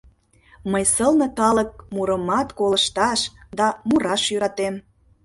— Мый сылне калык мурымат колышташ да мураш йӧратем.